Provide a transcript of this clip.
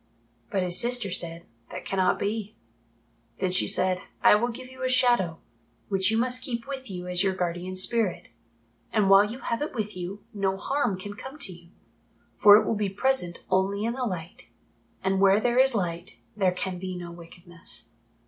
But his sister said, "That cannot be." Then she said, "I will give you a Shadow, which you must keep with you as your guardian spirit. And while you have it with you, no harm can come to you, for it will be present only in the Light, and where there is Light there can be no wickedness.